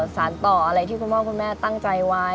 สารต่ออะไรที่คุณพ่อคุณแม่ตั้งใจไว้